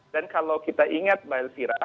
dan kalau kita ingat mbak elvira